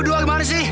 lu dua gimana sih